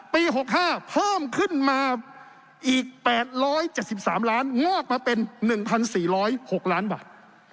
ปี๖๕เพิ่มขึ้นมาอีก๘๗๓ล้านงอกมาเป็น๑๔๐๖ล้านบาท